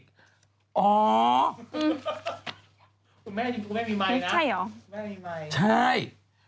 คุณแม่จริงคุณแม่มีไมค์นะใช่หรอ